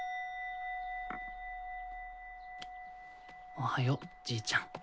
おはようじいちゃん。